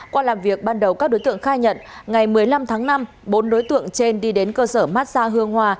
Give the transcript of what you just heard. qua làm việc ban đầu các đối tượng khai nhận ngày một mươi năm tháng năm bốn đối tượng trên đi đến cơ sở massage hương hòa